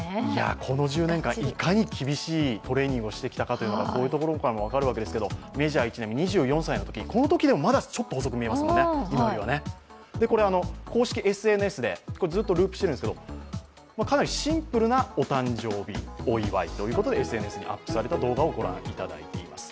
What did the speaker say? この１０年間、いかに厳しいトレーニングをしてきたかということがこういうところからも分かるわけですけどもメジャー１年目２４歳のとき、このときでもまだちょっと細く見えますもんね、今ではね公式ＳＮＳで、ずっとループしてるんですけど、かなりシンプルなお誕生日のお祝いということでＳＮＳでアップされた動画をご覧いただいています。